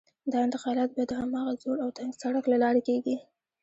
دا انتقالات به د هماغه زوړ او تنګ سړک له لارې کېږي.